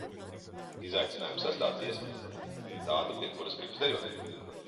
Izaicinājuma sestā dziesma – tāda, pie kuras gribas dejot.